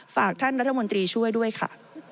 ฝากท่านรัฐมนตรีช่วยด้วยค่ะ